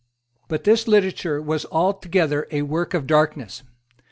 But this literature was altogether a work of darkness.